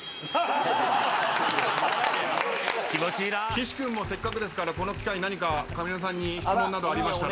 岸君もせっかくですからこの機会に何か上沼さんに質問などありましたら。